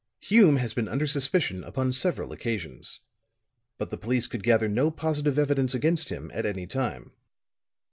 "Hume has been under suspicion upon several occasions. But the police could gather no positive evidence against him, at any time.